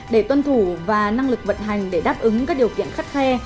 để tuân thủ và năng lực vận hành để đáp ứng các điều kiện khắt khe